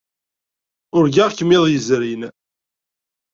Urgaɣ-kem iḍ yezrin.